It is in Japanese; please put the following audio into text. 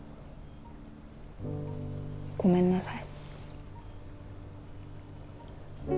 ごめんなさい。